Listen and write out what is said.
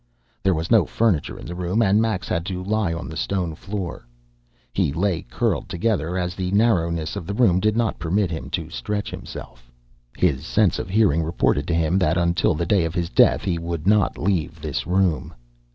There was no furniture in the room, and Max had to lie on the stone floor. He lay curled together, as the narrowness of the room did not permit him to stretch himself. His sense of hearing reported to him that until the day of his death he would not leave this room....